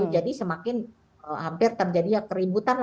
jadi semakin hampir terjadinya keributan